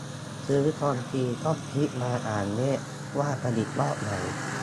ซื้อคอมทีต้องพลิกมาอ่านเลขว่าผลิตรอบไหน